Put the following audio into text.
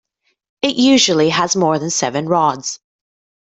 It usually has more than seven rods.